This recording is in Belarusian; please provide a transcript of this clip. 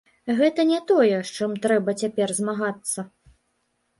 Гэта не тое, з чым трэба цяпер змагацца.